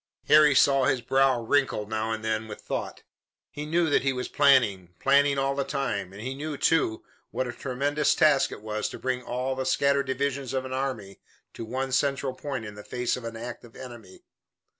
Harry saw his brow wrinkle now and then with thought. He knew that he was planning, planning all the time, and he knew, too, what a tremendous task it was to bring all the scattered divisions of an army to one central point in the face of an active enemy.